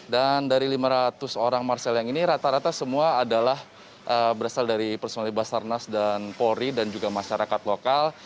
dan dari lima ratus orang marsial yang ini rata rata semua adalah berasal dari personali basarnas dan polri dan juga masyarakat lokal